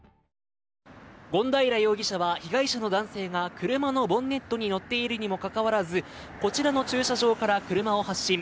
権平容疑者は、被害者の男性が車のボンネットに乗っているにもかかわらずこちらの駐車場から車を発進。